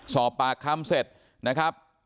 สอบปากคำเสร็จนะครับ